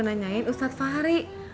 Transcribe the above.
nanyain ustadz fahri